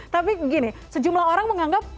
tapi gini sejumlah orang menganggap